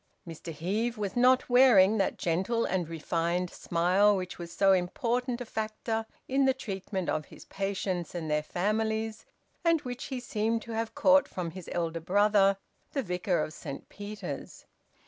Mr Heve was not wearing that gentle and refined smile which was so important a factor in the treatment of his patients and their families, and which he seemed to have caught from his elder brother, the vicar of Saint Peter's.